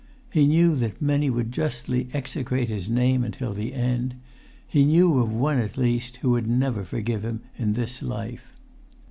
He knew that many would justly execrate his name until the end. He knew of one at least who would never forgive him in this life.